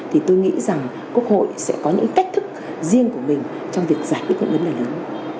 thì tôi nghĩ rằng quốc hội sẽ có những cách thức riêng của mình trong việc giải quyết những vấn đề lớn